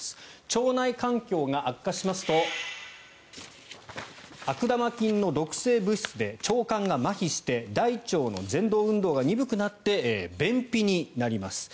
腸内環境が悪化しますと悪玉菌の毒性物質で腸管がまひして大腸のぜん動運動がにぶくなって便秘になります。